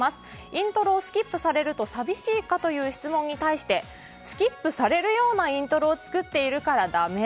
イントロをスキップされると寂しいかという質問に対してスキップされるようなイントロを作っているからダメ。